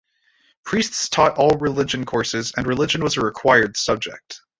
Priests taught all religion courses, and religion was a required subject.